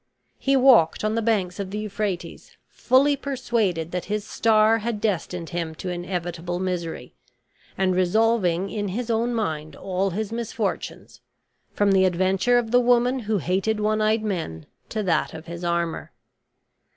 He walked on the banks of the Euphrates, fully persuaded that his star had destined him to inevitable misery, and resolving in his own mind all his misfortunes, from the adventure of the woman who hated one eyed men to that of his armor.